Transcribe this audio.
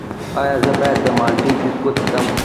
ایا زه باید د مالټې جوس وڅښم؟